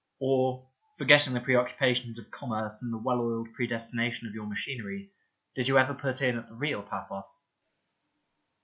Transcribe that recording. Or, forgetting the preoccupations of commerce and the well oiled predestination of your machinery, did you ever put in at the real Paphos